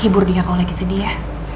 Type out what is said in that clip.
hibur dia kalau lagi sedih ya